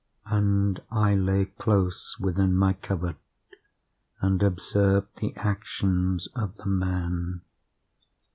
And I lay close within my covert and observed the actions of the man.